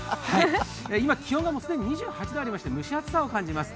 今、気温がもう既に２８度ありまして蒸し暑さを感じます。